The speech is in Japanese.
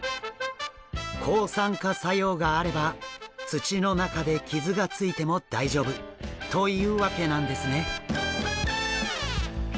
抗酸化作用があれば土の中で傷がついても大丈夫というわけなんですね。